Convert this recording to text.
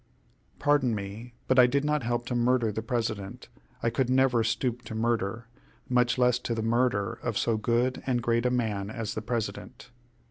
"Pardon me, but I did not help to murder the President. I could never stoop to murder much less to the murder of so good and great a man as the President."